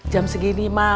jam segini mah